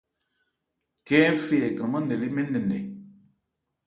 Khɛ́n ń fe ɛ kranmán nkɛ lê mɛɛ́n nɛn nkɛ.